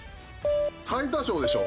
最多勝でしょ？